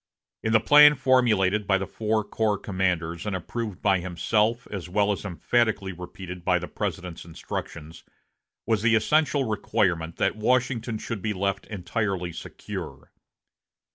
In the plan formulated by the four corps commanders, and approved by himself, as well as emphatically repeated by the President's instructions, was the essential requirement that Washington should be left entirely secure.